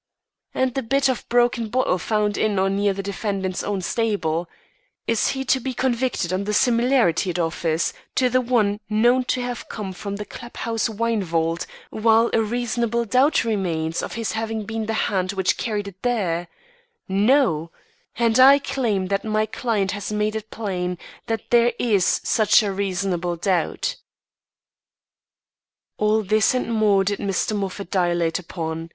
"And the bit of broken bottle found in or near the defendant's own stable! Is he to be convicted on the similarity it offers to the one known to have come from the club house wine vault, while a reasonable doubt remains of his having been the hand which carried it there? No! Where there is a reasonable doubt, no high minded jury will convict; and I claim that my client has made it plain that there is such a reasonable doubt." All this and more did Mr. Moffat dilate upon.